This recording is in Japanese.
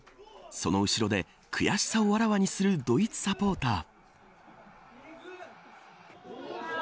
その後ろで悔しさをあらわにするドイツサポーター。